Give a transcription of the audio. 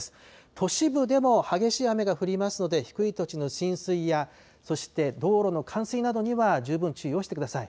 都市部でも激しい雨が降りますので、低い土地の浸水や、そして道路の冠水などには十分注意をしてください。